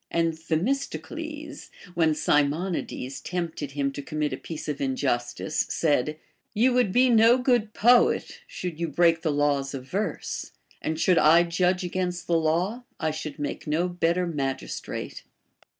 And Themistocles, when 74 BASHFULNESS. Sinionides tempted him to commit a piece of injustice, said : You would be no good poet, should you break the laws of verse ; and should I judge against the law, I should make no better magistrate.